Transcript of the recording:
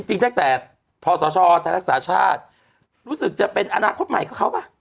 จริงตั้งแต่พศไทยรักษาชาติรู้สึกจะเป็นอนาคตใหม่กับเขาป่ะ